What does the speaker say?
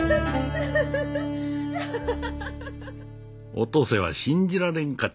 お登勢は信じられんかった。